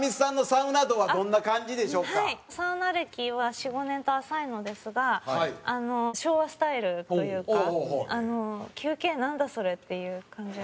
サウナ歴は４５年と浅いのですが昭和スタイルというか休憩なんだそれ？っていう感じなんですね。